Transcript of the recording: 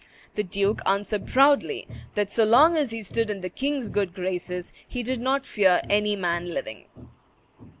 The duke answered proudly that "so long as he stood in the king's good graces, he did not fear any man living."